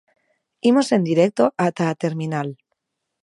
Imos en directo ata a terminal.